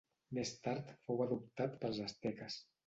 Més tard fou adoptat pels asteques.